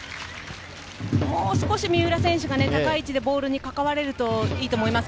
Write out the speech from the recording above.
もう少し三浦選手が高い位置でボールに関われるといいと思います。